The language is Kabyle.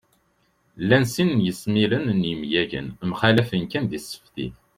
Llan sin n yesmilen n yemyagen, mxallafen kan di tseftit